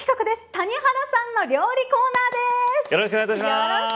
谷原さんの料理コーナーです。